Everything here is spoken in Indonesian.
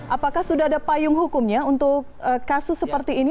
apakah sudah ada payung hukumnya untuk kasus seperti ini